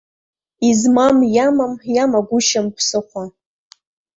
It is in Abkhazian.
Измам иамам, иамагәышьам ԥсыхәа.